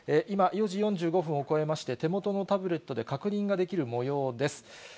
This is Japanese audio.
今、４時４５分を超えまして、手元のタブレットで確認ができるもようです。